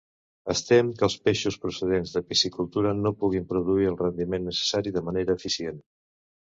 Es tem que els peixos procedents de piscicultura no puguin produir el rendiment necessari de manera eficient.